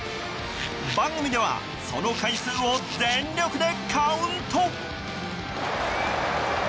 番組ではその回数を全力でカウント。